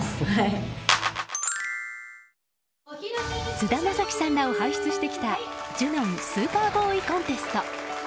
菅田将暉さんらを輩出してきたジュノン・スーパーボーイ・コンテスト。